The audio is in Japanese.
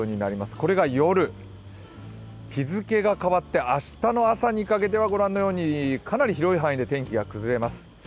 これが夜、日付が変わって明日の朝にかけてはご覧のようにかなり広い範囲で天気が崩れます。